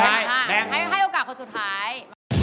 ให้โอกาสคนสุดท้าย